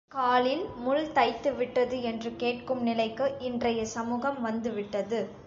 காலில் முள் தைத்துவிட்டது என்று கேட்கும் நிலைக்கு இன்றைய சமூகம் வந்து விட்டது.